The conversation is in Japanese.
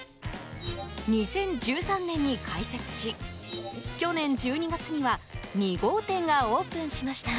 ２０１３年に開設し去年１２月には２号店がオープンしました。